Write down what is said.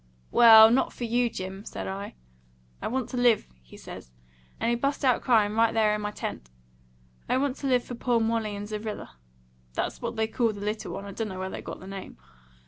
'Well, not for you, Jim,' said I. 'I want to live,' he says; and he bust out crying right there in my tent. 'I want to live for poor Molly and Zerrilla' that's what they called the little one; I dunno where they got the name.